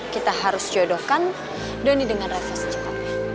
kita harus jodohkan doni dengan rasa secepatnya